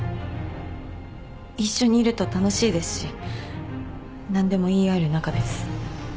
一緒にいると楽しいですし何でも言い合える仲です。